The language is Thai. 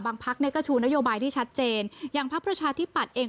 บางพักเนี่ยก็ชูนโยบายที่ชัดเจนอย่างพระพระชาติที่ปัดเอง